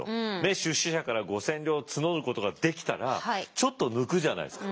出資者から５，０００両募ることができたらちょっと抜くじゃないですか。